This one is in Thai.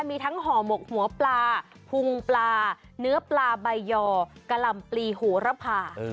มีทั้งห่อหมกหัวปลาพุงปลาเนื้อปลาใบยอกะหล่ำปลีหัวระพา